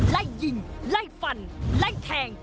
ไล่ยิงไล่ฟันไล่แทง